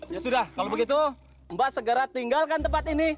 ya sudah kalau begitu mbak segera tinggalkan tempat ini